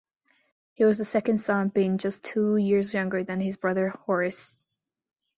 He was the second son, being just two years younger than his brother Horace.